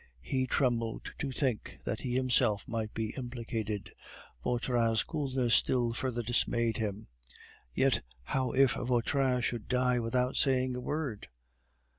He trembled to think that he himself might be implicated. Vautrin's coolness still further dismayed him. "Yet, how if Vautrin should die without saying a word?"